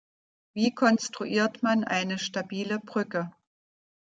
Wie konstruiert man eine stabile Brücke?